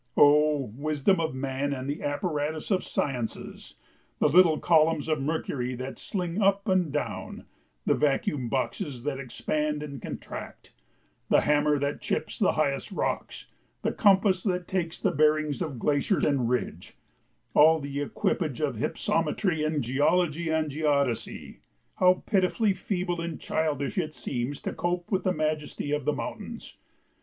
Oh, wisdom of man and the apparatus of the sciences, the little columns of mercury that sling up and down, the vacuum boxes that expand and contract, the hammer that chips the highest rocks, the compass that takes the bearings of glacier and ridge all the equipage of hypsometry and geology and geodesy how pitifully feeble and childish it seems to cope with the majesty of the mountains!